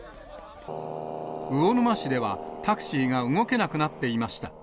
魚沼市では、タクシーが動けなくなっていました。